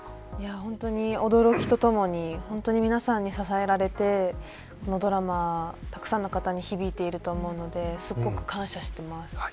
本当に驚きとともに皆さんに支えられてドラマ、たくさんの方に響いてると思うのですごく感謝しています。